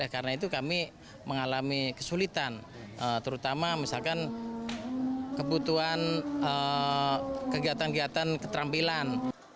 karena itu kami mengalami kesulitan terutama misalkan kebutuhan kegiatan kegiatan keterampilan